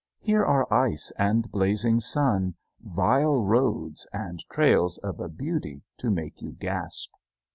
Here are ice and blazing sun, vile roads, and trails of a beauty to make you gasp.